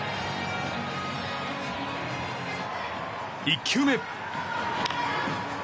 １球目。